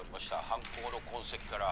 犯行の痕跡から。